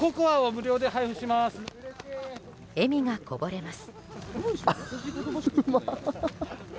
笑みがこぼれます。